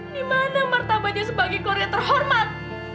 di mana martabatnya sebagai korea terhormat